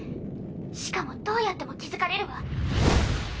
しかもどうやっても気付かれるわ。